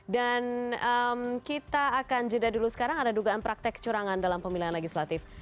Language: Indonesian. dan kita akan jeda dulu sekarang ada dugaan praktek curangan dalam pemilihan legislatif